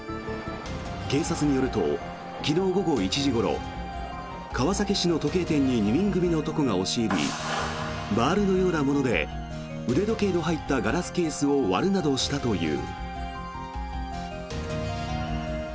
警察によると昨日午後１時ごろ川崎市の時計店に２人組の男が押し入りバールのようなもので腕時計の入ったガラスケースを割るなどしたという。